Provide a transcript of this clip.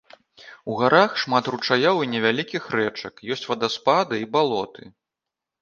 У гарах шмат ручаёў і невялікіх рэчак, ёсць вадаспады і балоты.